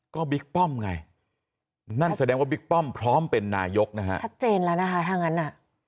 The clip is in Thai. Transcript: ก็บิ๊กป้อมไงนั่นแสดงว่าบิ๊กป้อมพร้อมเป็นนายกนะฮะชัดเจนแล้วนะคะถ้างั้นน่ะ